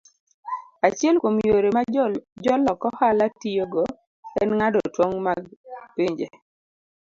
Achiel kuom yore ma jolok ohala tiyogo en ng'ado tong' mag pinje.